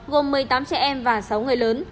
gồm một mươi tám trẻ em và sáu người lớn